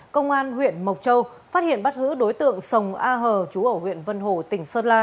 công an huyện mộc châu phát hiện bắt giữ đối tượng sồng a hờ trú ở huyện vân hồ tỉnh sơn la